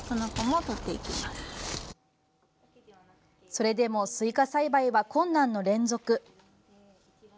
それでもスイカ栽培は困難の連続。